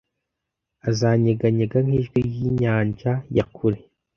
azanyeganyega nk'ijwi ry'inyanja ya kure